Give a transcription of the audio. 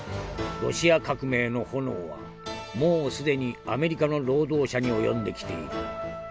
ロシア革命の炎はもう既にアメリカの労働者に及んできている。